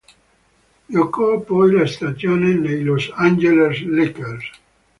Giocò poi la stagione nei Los Angeles Lakers.